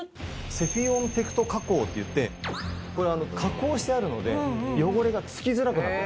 セフィオンテクト加工っていってこれ加工してあるので汚れが付きづらくなるんですね。